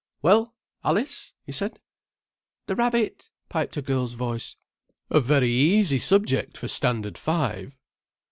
"Well, Alice?" he said. "The rabbit," piped a girl's voice. "A very easy subject for Standard Five."